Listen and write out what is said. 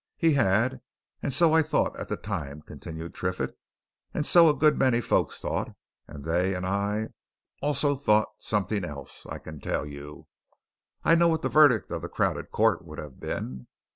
"He had and so I thought at the time," continued Triffitt. "And so a good many folks thought and they, and I, also thought something else, I can tell you. I know what the verdict of the crowded court would have been!"